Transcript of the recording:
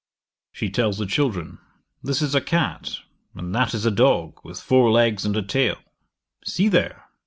'She tells the children, "This is a cat, and that is a dog, with four legs and a tail; see there!